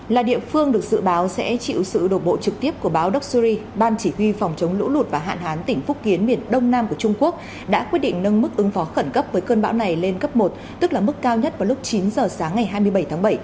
là địa phương được dự báo sẽ chịu sự đổ bộ trực tiếp của báo doxury ban chỉ huy phòng chống lũ lụt và hạn hán tỉnh phúc kiến miền đông nam của trung quốc đã quyết định nâng mức ứng phó khẩn cấp với cơn bão này lên cấp một tức là mức cao nhất vào lúc chín giờ sáng ngày hai mươi bảy tháng bảy